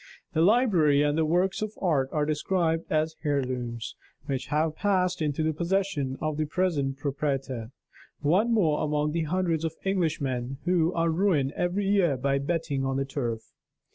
The library and the works of art are described as heirlooms, which have passed into the possession of the present proprietor one more among the hundreds of Englishmen who are ruined every year by betting on the Turf.